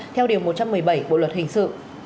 theo điều một trăm một mươi bảy bộ luật hình sự